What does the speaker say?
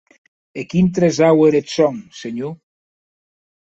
E quin tresau ère eth sòn, senhor?